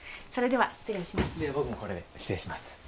それでは失礼します。